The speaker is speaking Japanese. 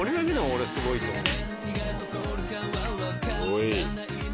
俺すごいと思う。